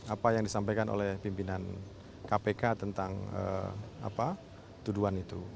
apa yang disampaikan oleh pimpinan kpk tentang tuduhan itu